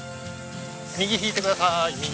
右引いてください右。